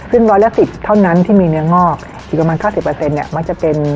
ซึ่ง๑๑๐เท่านั้นที่มีเนื้องอกที่ประมาณ๙๐มักจะเป็น